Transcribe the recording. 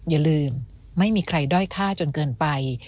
อย่าลืมไม่มีใครด้อยฆ่าจนเกินไป